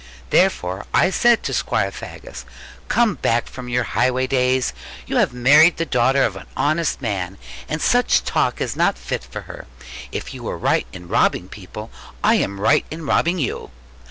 Therefore I said to Squire Faggus, 'Come back from your highway days. You have married the daughter of an honest man; and such talk is not fit for her. If you were right in robbing people, I am right in robbing you.